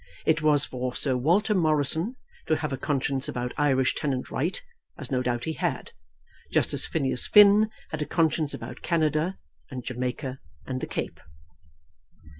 It was for Sir Walter Morrison to have a conscience about Irish tenant right, as no doubt he had, just as Phineas Finn had a conscience about Canada, and Jamaica, and the Cape.